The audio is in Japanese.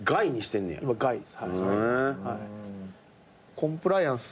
コンプライアンス